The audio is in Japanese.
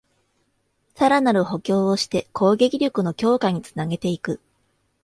さらなる補強をして攻撃力の強化につなげていく